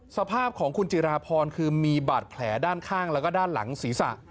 สภาพของคุณจิราพรคือมีบาดแผลด้านข้างแล้วก็ด้านหลังศีรษะ